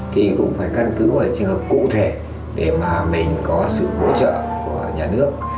thì cũng phải căn cứ vào trường hợp cụ thể để mà mình có sự hỗ trợ của nhà nước